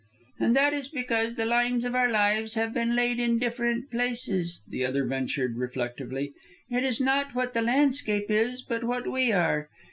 "And that is because the lines of our lives have been laid in different places," the other ventured, reflectively. "It is not what the landscape is, but what we are.